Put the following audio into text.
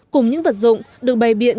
cùng những vật dụng được bày biện